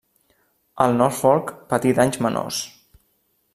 El Norfolk patí danys menors.